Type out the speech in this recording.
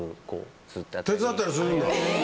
手伝ったりするんだ？